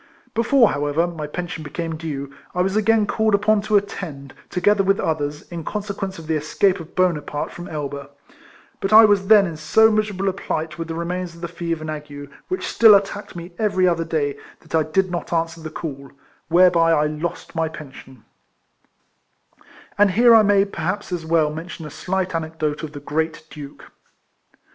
Before, however, my pension became due, I was again called upon to attend, together with others, in consequence of the escape of Bonaparte from Elba ; but I was then in so miserable a plight with the remains of the 280 RECOLLECTIONS OF fever and ague, which still attacked me every other day, that I did not answer the call, whereby I lost my pension And here I may perhaps as well mention a slight anecdote of the Great Duke.